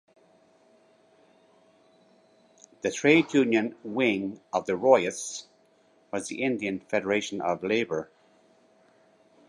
The trade union wing of the Royists was the Indian Federation of Labour.